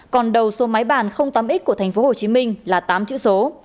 còn đầu số máy bàn tám x của tp hcm là tám chữ số